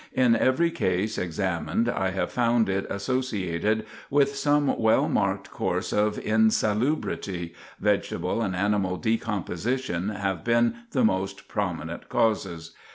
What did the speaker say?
In every case examined I have found it associated with some well marked course of insalubrity; vegetable and animal decomposition have been the most prominent causes.